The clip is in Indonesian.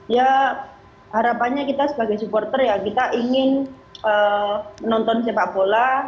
ya harapannya kita sebagai supporter ya kita ingin menonton sepak bola